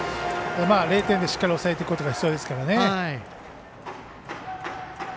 ０点でしっかり抑えていくことが必要ですからね。